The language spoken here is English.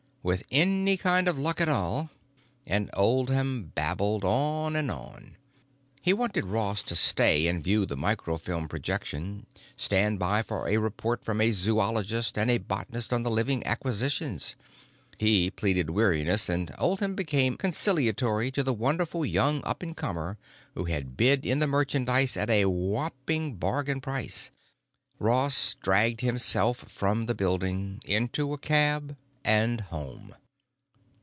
With any kind of luck at all——" And Oldham babbled on and on. He wanted Ross to stay and view the microfilm projection, stand by for a report from a zoologist and a botanist on the living acquisitions. He pleaded weariness and Oldham became conciliatory to the wonderful young up and comer who had bid in the merchandise at a whopping bargain price. Ross dragged himself from the building, into a cab, and home.